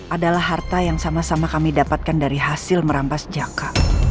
adalah harta yang sama sama kami dapatkan dari hasil merampas jaka